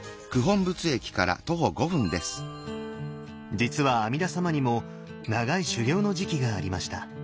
実は阿弥陀様にも長い修行の時期がありました。